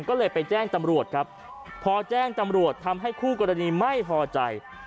ก็เลยไปแจ้งตำรวจครับพอแจ้งตำรวจทำให้คู่กรณีไม่พอใจ